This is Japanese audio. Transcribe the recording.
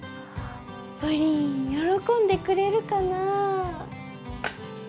ぷりん喜んでくれるかな。